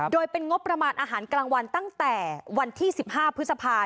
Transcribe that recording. โดยเป็นงบประมาณอาหารกลางวันตั้งแต่วันที่๑๕พฤษภา